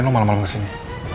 kenapa malam malam kesini